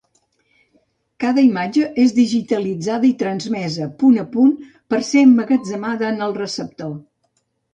Cada imatge és digitalitzada i transmesa punt a punt, per ser emmagatzemada en el receptor.